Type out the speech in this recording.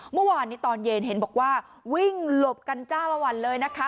เมื่อวานนี้ตอนเย็นเห็นบอกว่าวิ่งหลบกันจ้าละวันเลยนะคะ